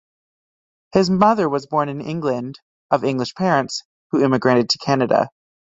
His mother was born in England, of English parents, who emigrated to Canada.